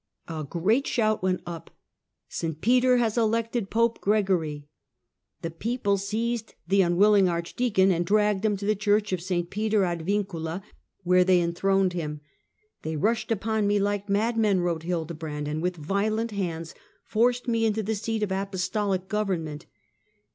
A great shout went up :" St Peter has elected Pope Gregory !" The people seized the unwilling arch deacon and dragged him to the Church of St Peter ad Viucula, where they enthroned him. " They rushed upon me like madmen," wrote Hildebrand, " and with violent hands forced me into the seat of apostolic government."